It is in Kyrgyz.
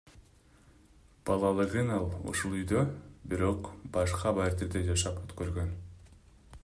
Балалыгын ал ушул үйдө, бирок башка батирде жашап өткөргөн.